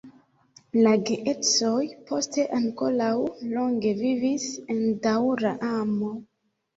La geedzoj poste ankoraŭ longe vivis en daŭra amo.